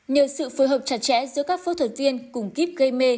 nhờ sự phối hợp chặt chẽ giữa các phẫu thuật viên cùng kíp gây mê